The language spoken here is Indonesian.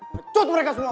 ngecut mereka semua